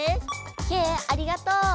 ケイありがとう！